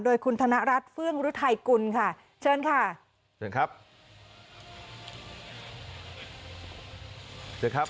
โดยคุณธนรัฐเฟื่องฤทัยกุลค่ะเชิญค่ะเชิญครับ